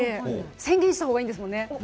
宣言したほうがいいんですよね。